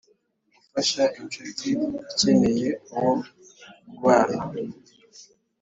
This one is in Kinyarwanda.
Gufasha incuti ikeneye uwo kubana